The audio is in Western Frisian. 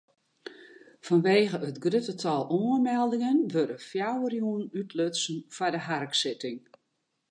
Fanwegen it grutte tal oanmeldingen wurde fjouwer jûnen útlutsen foar de harksitting.